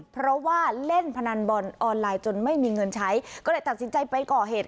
เพราะว่าเล่นพนันบอลออนไลน์จนไม่มีเงินใช้ก็เลยตัดสินใจไปก่อเหตุ